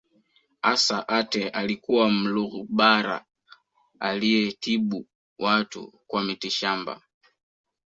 Assa Aatte alikuwa Mlugbara aliyetibu watu kwa mitishamba